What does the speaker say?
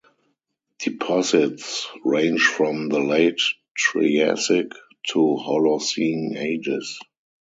Deposits range from the late Triassic to Holocene ages.